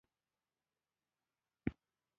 ویل یې دلته د ډېرو خلکو سینې سوري سوري دي.